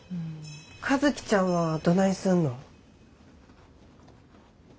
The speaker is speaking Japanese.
和希ちゃんはどないすんの？